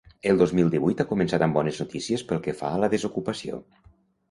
El dos mil divuit ha començat amb bones notícies pel que fa a la desocupació.